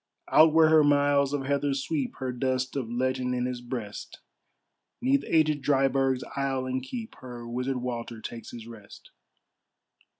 Out where her miles of heather sweep, Her dust of legend in his breast, 'Neath agèd Dryburgh's aisle and keep, Her Wizard Walter takes his rest.